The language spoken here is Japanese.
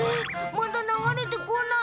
まだ流れてこない。